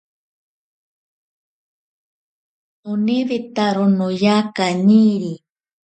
Nonewetaro noya kaniri.